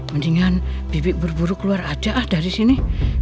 mendingan bibit berburu keluar aja ah dari sini